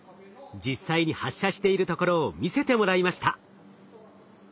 実際に発射しているところを見せてもらいました。